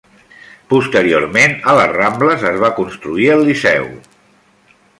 Posteriorment a Les Rambles es va construir el Liceu.